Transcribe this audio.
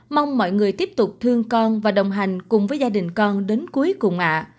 mong mọi người tiếp tục thương con và đồng hành cùng với gia đình con đến cuối cùng ạ